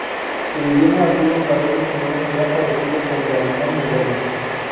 El idioma nativo parece tener un gran parecido con el alemán moderno.